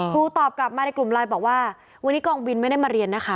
ครูตอบกลับมาในกลุ่มไลน์บอกว่าวันนี้กองบินไม่ได้มาเรียนนะคะ